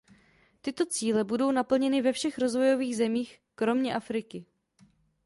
Tyto cíle budou naplněny ve všech rozvojových zemích kromě Afriky.